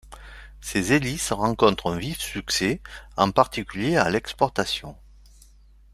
Ces hélices rencontrent un vif succès, en particulier à l’exportation.